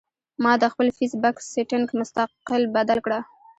ما د خپل فېس بک سېټنګ مستقل بدل کړۀ